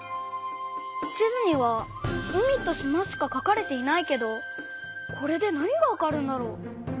地図には海と島しかかかれていないけどこれで何がわかるんだろう？